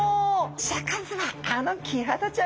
シャーク香音さまあのキハダちゃんが！